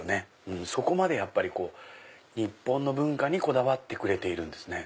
うんそこまでやっぱり日本の文化にこだわってくれているんですね。